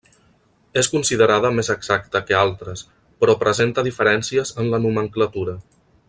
És considerada més exacta que altres però presenta diferències en la nomenclatura.